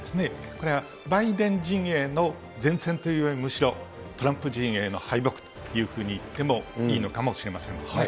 これはバイデン陣営の善戦というよりむしろ、トランプ陣営の敗北というふうにいってもいいのかもしれませんですね。